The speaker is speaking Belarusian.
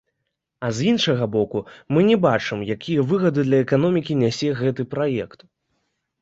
А з іншага боку, мы не бачым, якія выгады для эканомікі нясе гэты праект.